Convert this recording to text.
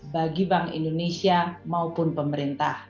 bagi bank indonesia maupun pemerintah